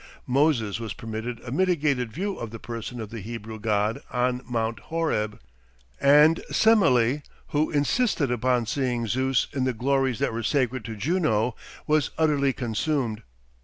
Moses was permitted a mitigated view of the person of the Hebrew God on Mount Horeb; and Semele, who insisted upon seeing Zeus in the glories that were sacred to Juno, was utterly consumed.